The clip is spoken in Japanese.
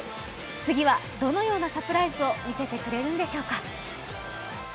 次はどのようなサプライズを見せてくれるんでしょうか。